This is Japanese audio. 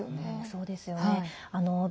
そうですよね。